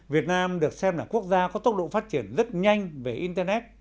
việt nam được xem là quốc gia có tốc độ phát triển rất nhanh về internet